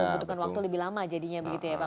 butuhkan waktu lebih lama jadinya begitu ya pak